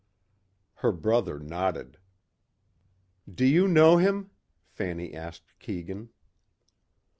Her brother nodded. "Do you know him?" Fanny asked Keegan.